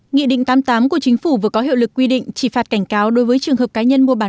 nghị định tám mươi tám của chính phủ vừa có hiệu lực quy định chỉ phạt cảnh cáo đối với trường hợp cá nhân mua bán